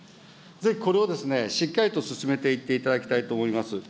ぜひこれをしっかりと進めていっていただきたいと思います。